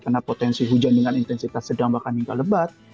karena potensi hujan dengan intensitas sedang bahkan hingga lebat